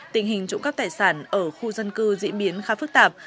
tình hình trộm cắp tài sản ở khu dân cư diễn biến khá phức tạp